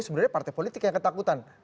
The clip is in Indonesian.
sebenarnya partai politik yang ketakutan